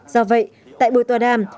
do vậy tại buổi tòa đàm